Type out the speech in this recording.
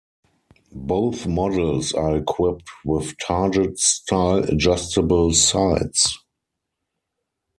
Both models are equipped with target style adjustable sights.